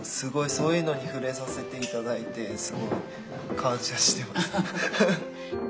そういうのに触れさせて頂いてすごい感謝してます。